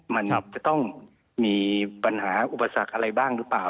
มันจะต้องมีปัญหาอุปสรรคอะไรบ้างหรือเปล่า